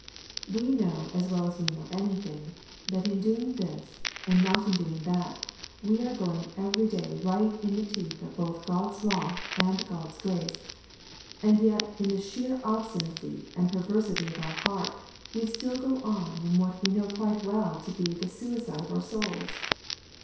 We know as well as we know anything, that in doing this and in not doing that we are going every day right in the teeth both of God's law and God's grace; and yet in the sheer obstinacy and perversity of our heart we still go on in what we know quite well to be the suicide of our souls.